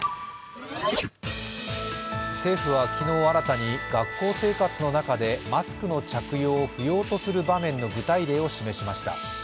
政府は昨日新たに学校生活の中でマスクの着用を不要とする場面の具体例を示しました。